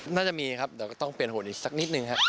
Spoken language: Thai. น่าจะมีครับเดี๋ยวก็ต้องเปลี่ยนหนอีกสักนิดนึงครับ